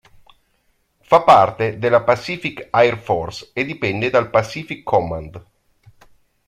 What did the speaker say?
Fa parte delle Pacific Air Forces e dipende dal Pacific Command.